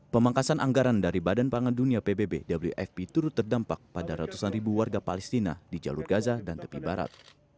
pemangkasan anggaran dari badan pangan dunia pbb wfp turut terdampak pada ratusan ribu warga palestina di jalur gaza dan tepi barat